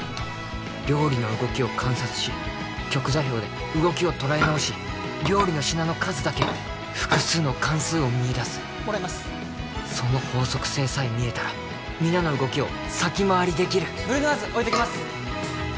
料理の動きを観察し極座標で動きを捉え直し料理の品の数だけ複数の関数を見いだすその法則性さえ見えたら皆の動きを先回りできるブリュノワーズ置いときます